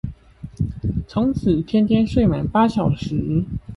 從此天天睡滿八小時